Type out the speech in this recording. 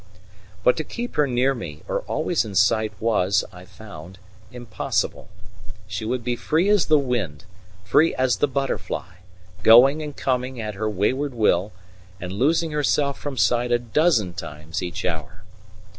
But to keep her near me or always in sight was, I found, impossible: she would be free as the wind, free as the butterfly, going and coming at her wayward will, and losing herself from sight a dozen times every hour.